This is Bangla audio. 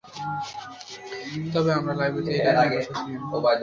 তবে আমরা লাইব্রেরিতে এটার জন্য বসে আছি কেন?